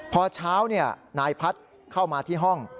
พอเช้านายพัฒน์เข้ามาที่ห้อง